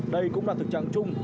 đây cũng là thực trạng chung